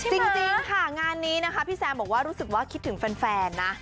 จริงค่ะงานนี้นะคะพี่แซมบอกว่ารู้สึกว่าคิดถึงแฟนนะ